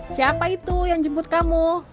siapa itu yang jemput kamu